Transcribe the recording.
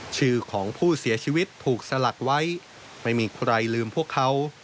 ชื่อของผู้เสียชีวิตถูกสลักไว้ไม่มีใครลืมพวกเขา